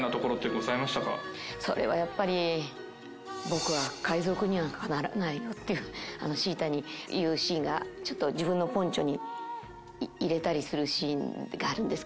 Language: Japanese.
それはやっぱり「僕は海賊にはならないよ」っていうシータに言うシーンがちょっと自分のポンチョに入れたりするシーンがあるんですけど。